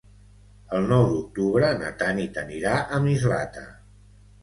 El nou d'octubre na Tanit anirà a Mislata.